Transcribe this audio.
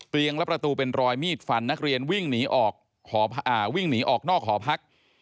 เตียงและประตูเป็นรอยมีดฟันนักเรียนวิ่งหนีออกนอกหอพัก